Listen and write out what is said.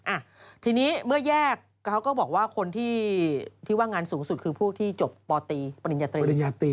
อ่ะทีนี้เมื่อแยกเขาก็บอกว่าคนที่ที่ว่างานสูงสุดคือผู้ที่จบปตีปริญญาตรีปริญญาตรี